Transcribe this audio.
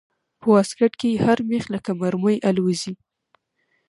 په واسکټ کښې هر مېخ لکه مرمۍ الوزي.